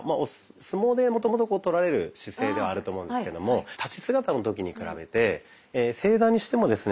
相撲でもともととられる姿勢ではあると思うんですけども立ち姿の時に比べて正座にしてもですね